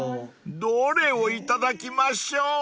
［どれをいただきましょう？］